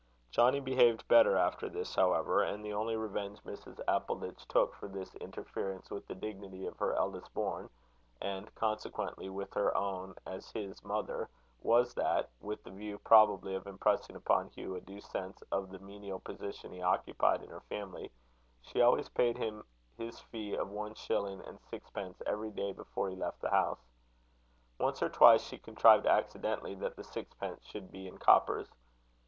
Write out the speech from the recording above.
Johnnie behaved better after this, however; and the only revenge Mrs. Appleditch took for this interference with the dignity of her eldest born, and, consequently, with her own as his mother, was, that with the view, probably, of impressing upon Hugh a due sense of the menial position he occupied in her family she always paid him his fee of one shilling and sixpence every day before he left the house. Once or twice she contrived accidentally that the sixpence should be in coppers.